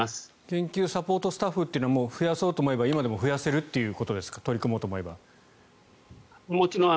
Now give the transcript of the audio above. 研究サポートスタッフというのは増やそうと思えば今でも増やせるということですかもちろん。